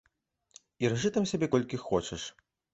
І ржы там сябе колькі хочаш.